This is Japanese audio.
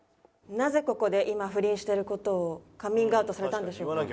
なぜここで今不倫してる事をカミングアウトされたんでしょうか？